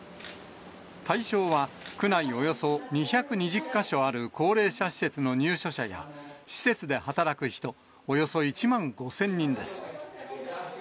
対象は区内およそ２２０か所ある高齢者施設の入所者や施設で働く人およそ１万５０００人です。